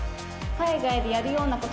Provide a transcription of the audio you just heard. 海外でやるような事？